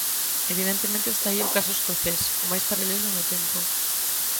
Evidentemente está aí o caso escocés, o máis paralelo no tempo.